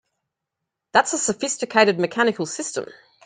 That's a sophisticated mechanical system!